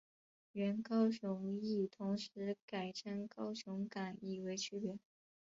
原高雄驿同时改称高雄港以为区别。